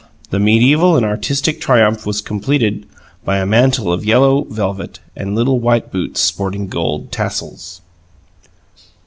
The medieval and artistic triumph was completed by a mantle of yellow velvet, and little white boots, sporting gold tassels.